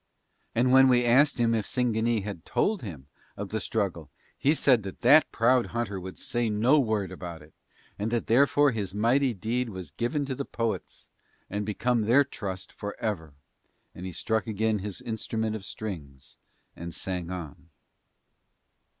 And when we asked him if Singanee had told him of the struggle he said that that proud hunter would say no word about it and that therefore his mighty deed was given to the poets and become their trust forever, and he struck again his instrument of strings and sang on.